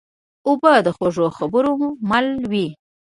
اوبه د خوږو خبرو مل وي.